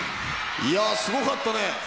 すごかった。